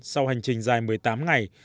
sau hành trình dài một mươi tám ngày